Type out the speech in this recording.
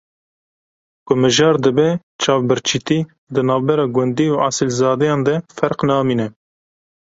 Ku mijar dibe çavbirçîtî di navbera gundî û esilzadeyan de ferq namîne.